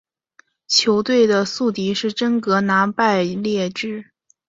球队的宿敌是真格拿拜列治。